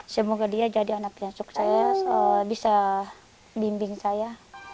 semoga dia jadi anak yang sukses bisa bimbing saya